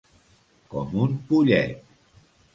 Com un pollet.